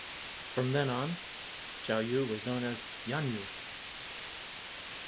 From then on Cao You was known as Yan You.